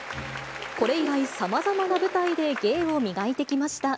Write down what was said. これ以来、さまざまな舞台で芸を磨いてきました。